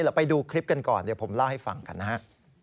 เดี๋ยวไปดูคลิปกันก่อนเดี๋ยวผมเล่าให้ฟังกันนะฮะ